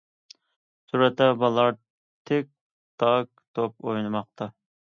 سۈرەتتە: بالىلار تىك- تاك توپ ئوينىماقتا.